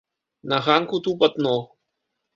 На ганку тупат ног.